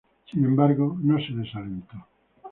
Sin embargo, no se desalentó.